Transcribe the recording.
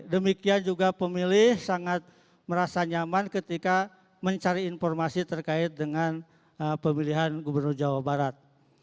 demikian juga pemilih sangat merasa nyaman ketika mencari informasi terkait dengan pemilihan gubernur jawa barat